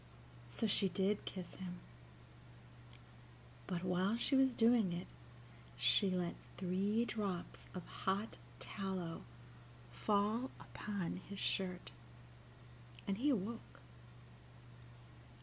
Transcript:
So she did kiss him; but while she was doing it she let three drops of hot tallow fall upon his shirt, and he awoke.